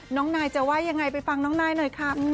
น้องนายจะว่ายังไงไปฟังน้องนายหน่อยค่ะ